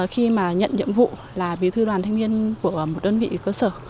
khi mà nhận nhiệm vụ là bí thư đoàn thanh niên của một đơn vị cơ sở